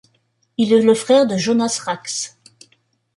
Il est le frère de Joonas Rask.